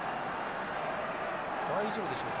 大丈夫でしょうかね。